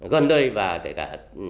gần đây và kể cả